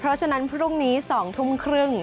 เพราะฉะนั้นพรุ่งนี้๒ทุ่มครึ่ง